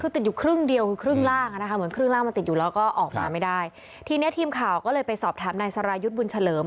ทีนี้ทีมข่าวก็เลยไปสอบถามนายสรายยุทธ์บุญเฉลิม